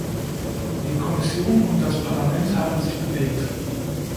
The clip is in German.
Die Kommission und das Parlament haben sich bewegt.